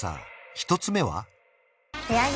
１つ目は？